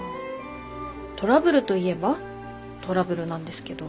トラブルといえばトラブルなんですけど。